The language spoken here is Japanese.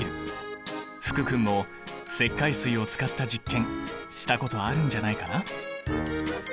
福君も石灰水を使った実験したことあるんじゃないかな？